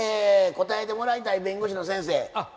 答えてもらいたい弁護士の先生。